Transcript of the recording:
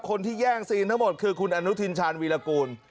คนที่แย่งซีนทั้งหมดคือคุณอนุทินชาญวีรกูล